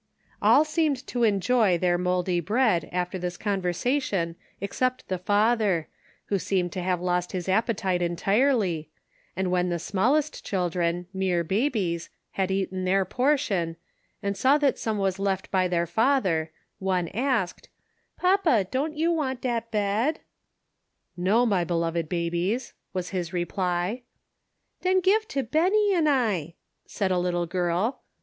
All seemed to enjoy their mouldy bread after this con versation except the father, who seemed to have lost his appetite entirely, and when the smallest children, mere babies, had eaten their portion, and saw that some was left by their father, one asked :" Papa, don you want dat bed ?"" No, my beloved babies," was his reply. "Den give to Benny an I," said a little girl.